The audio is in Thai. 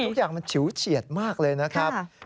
ทุกอย่างมันฉิวเฉียดมากเลยนะครับ